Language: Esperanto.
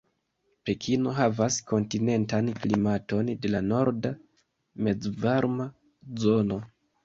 Pekino havas kontinentan klimaton de la norda mezvarma zono.